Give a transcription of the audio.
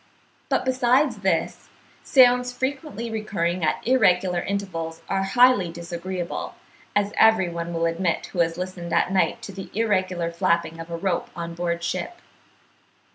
But besides this, sounds frequently recurring at irregular intervals are highly disagreeable, as every one will admit who has listened at night to the irregular flapping of a rope on board ship.